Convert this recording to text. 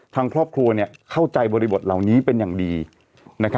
ทางครอบครัวเข้าใจบริบทเหล่านี้เป็นอย่างดี